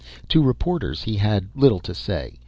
To reporters he had little to say.